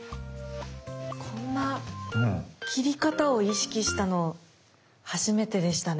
こんな切り方を意識したの初めてでしたね。